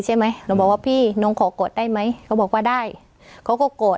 ใช่ไหมหนูบอกว่าพี่น้องขอกอดได้ไหมเขาบอกว่าได้เขาก็โกรธ